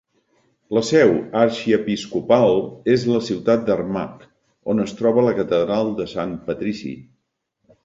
La seu arxiepiscopal és la ciutat d'Armagh, on es troba la catedral de Sant Patrici.